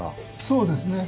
そうですね。